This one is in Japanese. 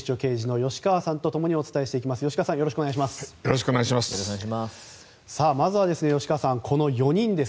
吉川さんよろしくお願いします。